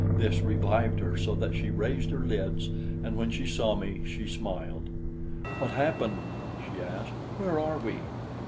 This revived her so that she raised her lids, and when she saw me, she smiled. "What happened?" she asked. "Where are we?"